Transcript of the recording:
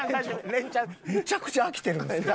むちゃくちゃ飽きてるんですけど。